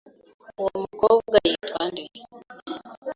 Uwo mukobwa yitwa nde?